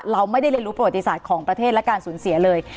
เราไม่ได้เรียนรู้ประวัติศาสตร์ของประเทศและการสูญเสียเลย